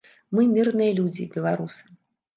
Мы мірныя людзі, беларусы.